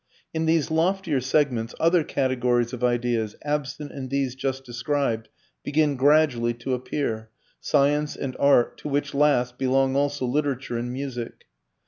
In these loftier segments other categories of ideas, absent in these just described, begin gradually to appear science and art, to which last belong also literature and music.